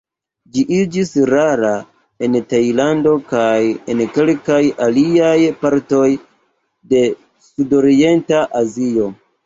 Ĝi iĝis rara en Tajlando kaj en kelkaj aliaj partoj de sudorienta Azio.